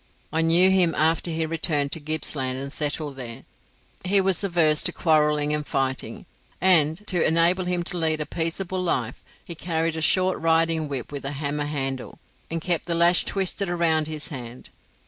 I knew him after he returned to Gippsland and settled there. He was averse to quarrelling and fighting; and, to enable him to lead a peaceable life, he carried a short riding whip with a hammer handle, and kept the lash twisted round his hand.